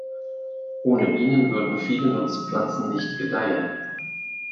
Ohne Bienen würden viele Nutzpflanzen nicht gedeihen.